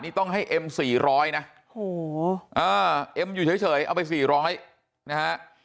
นี่ต้องให้เอ็มสี่ร้อยนะโหเออเอ็มอยู่เฉยเฉยเอาไปสี่ร้อยนะฮะ